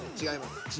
違います。